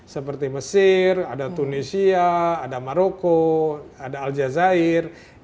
seperti mesir ada tunisia ada maroko ada aljazeera